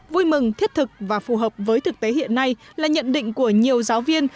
vui mừng thiết thực và phù hợp với thực tế hiện nay là nhận định của nhiều giáo viên